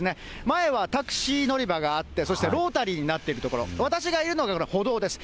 前はタクシー乗り場があって、そしてロータリーになっている所、私がいるのが歩道です。